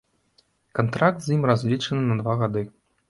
Кантракт з ім разлічаны на два гады.